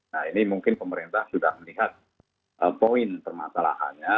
nah ini mungkin pemerintah sudah melihat poin permasalahannya